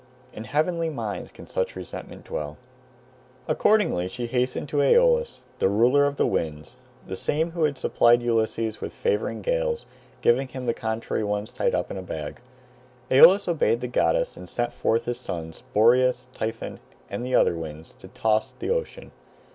In heavenly minds can such resentments dwell. [Footnote: See Proverbial Expressions.] Accordingly she hastened to Aeolus, the ruler of the winds, the same who supplied Ulysses with favoring gales, giving him the contrary ones tied up in a bag. Aeolus obeyed the goddess and sent forth his sons, Boreas, Typhon, and the other winds, to toss the ocean.